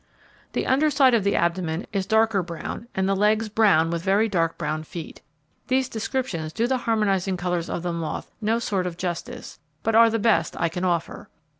The under side of the abdomen is darker brown, and the legs brown with very dark brown feet. These descriptions do the harmonizing colours of the moth no sort of justice, but are the best I can offer.